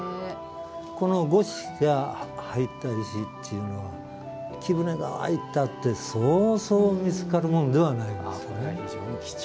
この五色が入った石というのは貴船川、行ったってそうそう見つかるものではない。